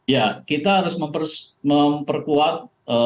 ya kita harus memperkuat